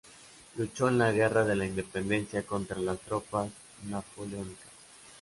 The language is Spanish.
Luchó en la Guerra de la Independencia contra las tropas napoleónicas.